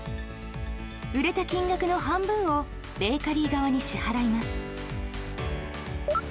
売れた金額の半分をベーカリー側に支払います。